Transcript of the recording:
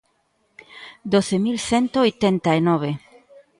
Doce mil cento oitenta e nove.